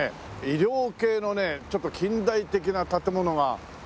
医療系のねちょっと近代的な建物が多いというね。